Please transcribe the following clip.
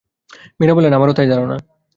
মীরা বললেন, আমারও তাই ধারণা।